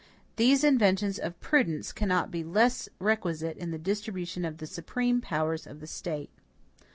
These inventions of prudence cannot be less requisite in the distribution of the supreme powers of the State.